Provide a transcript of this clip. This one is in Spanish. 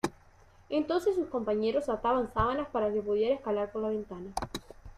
Entonces sus compañeros ataban sábanas para que pudiera escalar por la ventana.